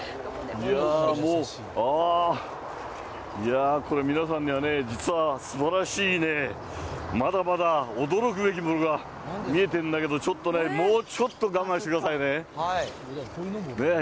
もう、これ皆さんにはね、実は、すばらしいね、まだまだ驚くべきものが見えてんだけど、ちょっとね、もうちょっと我慢してくださいね。